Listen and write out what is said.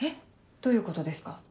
どういうことですか？